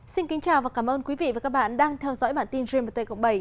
xin kính chào và cảm ơn quý vị và các bạn đang theo dõi bản tin gmt cộng bảy